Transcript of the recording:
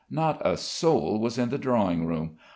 Not a soul was in the drawing room.